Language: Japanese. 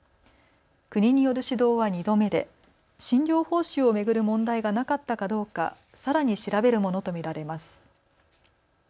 国による指導は２度目で診療報酬を巡る問題がなかったかどうかさらに調べるものと見られます。